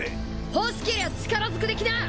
欲しけりゃ力ずくで来な！